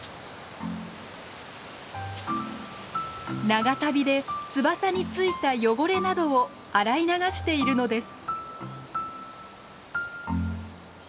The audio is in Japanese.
長旅で翼についた汚れなどを洗い流しているのです。